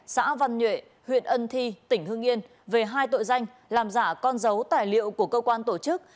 xã văn nhuệ huyện ân thi tỉnh hương yên về hai tội danh làm giả con dấu tài liệu của cơ quan tổ chức